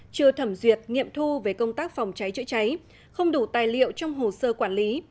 chưa thẩm duyệt nghiệm thu về công tác phòng cháy chữa cháy không đủ tài liệu trong hồ sơ quản lý